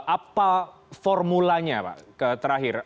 apa formulanya pak terakhir